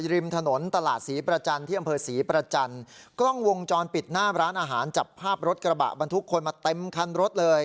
ริมถนนตลาดศรีประจันทร์ที่อำเภอศรีประจันทร์กล้องวงจรปิดหน้าร้านอาหารจับภาพรถกระบะบรรทุกคนมาเต็มคันรถเลย